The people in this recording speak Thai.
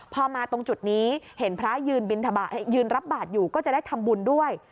พอมาตรงจุดนี้เห็นพระยืนรับบาทอยู่ก็จะได้ทำบุญด้วย